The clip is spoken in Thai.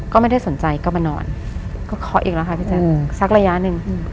ก็ไม่ได้สนใจก็มานอนก็เคาะอีกแล้วค่ะพี่แจ๊คสักระยะหนึ่ง